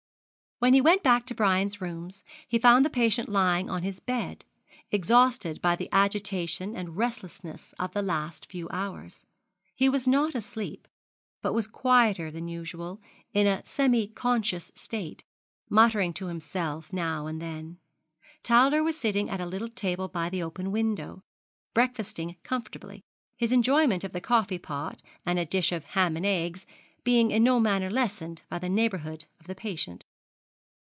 When he went back to Brian's rooms, he found the patient lying on his bed, exhausted by the agitation and restlessness of the last few hours. He was not asleep, but was quieter than usual, in a semi conscious state, muttering to himself now and then. Towler was sitting at a little table by the open window, breakfasting comfortably; his enjoyment of the coffee pot, and a dish of ham and eggs, being in no manner lessened by the neighbourhood of the patient.